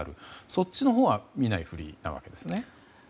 そっちのほうは見ないふりなわけですね。